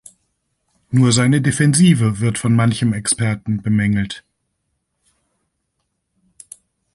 Nur seine Defensive wird von manchem Experten bemängelt.